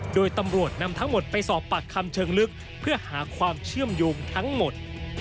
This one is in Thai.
โดยตำรวจนำทั้งหมดไปสอบปากคำเชิงลึกเพื่อหาความเชื่อมโยงทั้งหมด